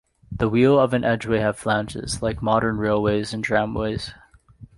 The wheels of an edgeway have flanges, like modern railways and tramways.